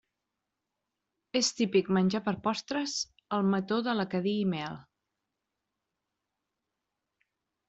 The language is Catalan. És típic menjar per postres el mató de la Cadí i mel.